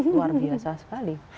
luar biasa sekali